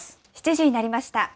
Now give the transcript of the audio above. ７時になりました。